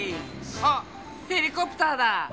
あっヘリコプターだ！